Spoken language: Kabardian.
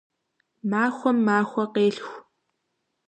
Махуэм махуэ къелъху.